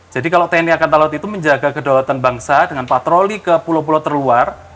kalau tni angkatan laut itu menjaga kedaulatan bangsa dengan patroli ke pulau pulau terluar